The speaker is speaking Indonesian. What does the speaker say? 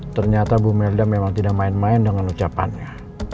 ternyata bu merda memang tidak main main dengan ucapannya